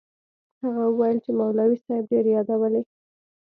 هغه وويل چې مولوي صاحب ډېر يادولې.